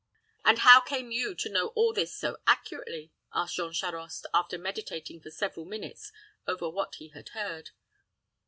"And how came you to know all this so accurately?" asked Jean Charost, after meditating for several minutes over what he had heard.